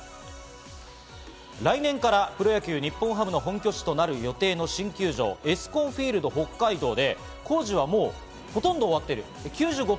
来年からプロ野球・日本ハムの本拠地となる予定の新球場、エスコンフィールド北海道で、工事はもうほとんど終わっている。